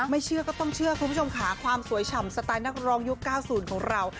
ไม่เชื่อก็ต้องเชื่อคุณผู้ชมขาความสวยฉ่ำสไตล์นักรองยุคเก้าสูรของเรา